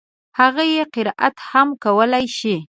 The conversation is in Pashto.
هغه يې قرائت هم کولای شي.